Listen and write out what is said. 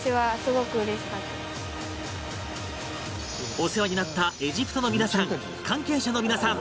お世話になったエジプトの皆さん関係者の皆さん